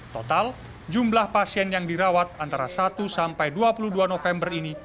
total jumlah pasien yang dirawat antara satu sampai dua puluh dua november ini